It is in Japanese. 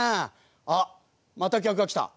あっまた客が来た。